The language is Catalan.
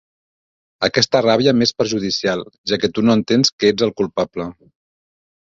Aquesta ràbia m'és perjudicial, ja que tu no entens que ets el culpable.